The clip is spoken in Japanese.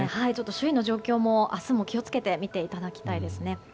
周囲の状況も明日も気を付けて見ていただきたいですね。